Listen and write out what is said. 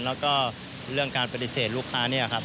แล้วก็เรื่องการปฏิเสธลูกค้าเนี่ยครับ